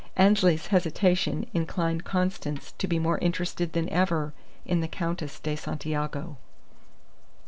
Annesley's hesitation inclined Constance to be more interested than ever in the Countess de Santiago.